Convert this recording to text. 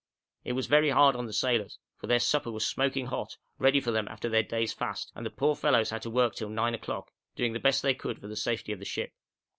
It was very hard on the sailors, for their supper was smoking hot, ready for them after their day's fast, and the poor fellows had to work till 9 o'clock, doing the best they could for the safety of the ship.